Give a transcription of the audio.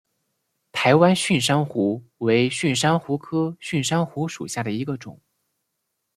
台湾蕈珊瑚为蕈珊瑚科蕈珊瑚属下的一个种。